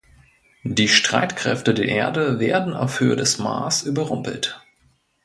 Die Streitkräfte der Erde werden auf Höhe des Mars überrumpelt.